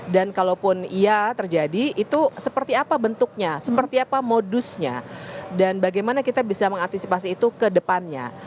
dan kalaupun iya terjadi itu seperti apa bentuknya seperti apa modusnya dan bagaimana kita bisa mengantisipasi itu ke depannya